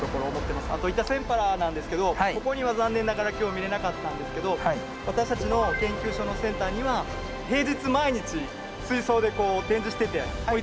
あとイタセンパラなんですけどここには残念ながら今日見れなかったんですけど私たちの研究所のセンターには平日毎日水槽で展示してていつでも見れますんで。